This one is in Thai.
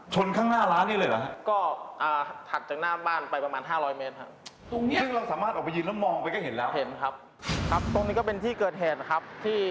ชนข้างหน้าร้านนี้เลยเหรอครับ